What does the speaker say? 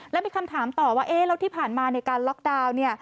และมีคำถามต่อว่าเราที่ผ่านมาในการล็อกดาวน์